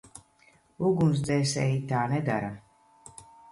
Ugunsdzēsēji tā nedara.